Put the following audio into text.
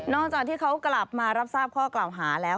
จากที่เขากลับมารับทราบข้อกล่าวหาแล้ว